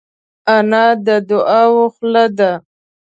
انا د دعاوو خوله ده